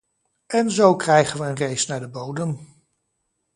En zo krijgen we een race naar de bodem.